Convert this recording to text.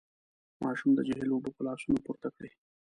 ماشوم د جهيل اوبه په لاسونو پورته کړې.